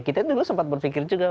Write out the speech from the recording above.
kita dulu sempat berpikir juga